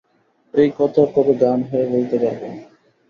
এই কথা কবে গান গেয়ে বলতে পারব?